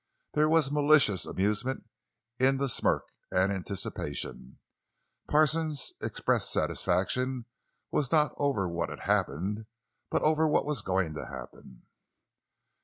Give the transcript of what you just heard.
There was malicious amusement in the smirk, and anticipation. Parsons' expressed satisfaction was not over what had happened, but over what was going to happen.